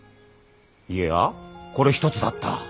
いやこれ１つだった。